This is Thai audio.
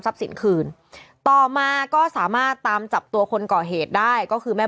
เป็นคนวางแผนและก่อเหตุรักษัพ